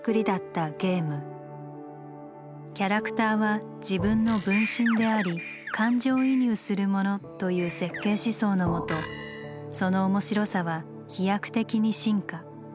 「キャラクターは自分の分身」であり「感情移入」するものという設計思想のもとその面白さは飛躍的に進化。